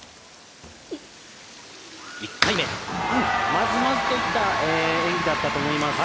まずまずといった演技だったと思います。